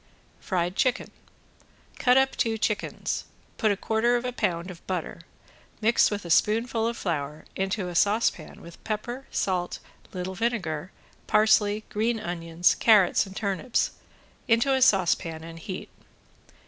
~FRIED CHICKEN~ Cut up two chickens. Put a quarter of a pound of butter, mixed with a spoonful of flour, into a saucepan with pepper, salt, little vinegar, parsley, green onions, carrots and turnips, into a saucepan and heat.